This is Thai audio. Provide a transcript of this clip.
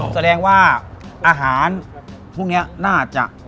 แสดงว่าอาหารพวกนี้น่าจะ